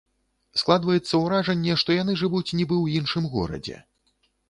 Складваецца ўражанне, што яны жывуць нібы ў іншым горадзе.